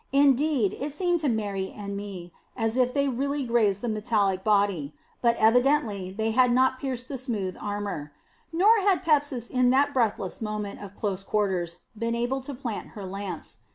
Indeed it seemed to Mary and me as if they really grazed the metallic body. But evidently they had not pierced the smooth armor. Nor had Pepsis in that breathless moment of close quarters been able to plant her lance.